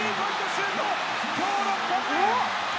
シュート、きょう６本目。